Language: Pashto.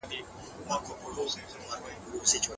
پوهانو ويلي دي چي پرمختيا يوه دوامداره مبارزه ده.